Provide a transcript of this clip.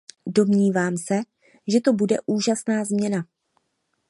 Domnívám se, že to bude úžasná změna.